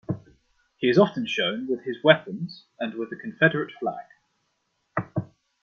He is often shown with his weapons and with the Confederate flag.